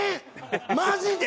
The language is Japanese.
マジで！？